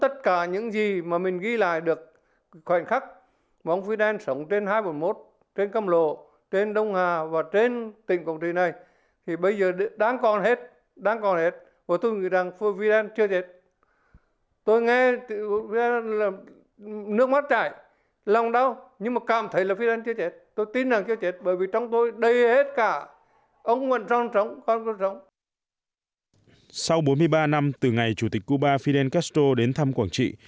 sau bốn mươi ba năm từ ngày chủ tịch cuba fidel castro đến thăm quảng trị